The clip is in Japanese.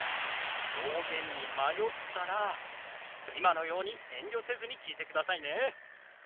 表現に迷ったら今のように遠慮せずに聞いてくださいね。